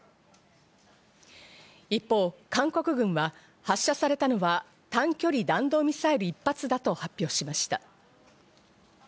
一方、韓国軍は発射されたのは短距離弾道ミサイル一発だと発表しました。